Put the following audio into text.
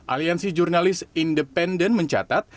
aliansi jurnalis independen mencatat